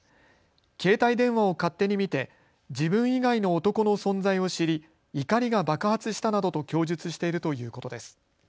携帯電話を勝手に見て自分以外の男の存在を知り、怒りが爆発したなどと供述しているということです。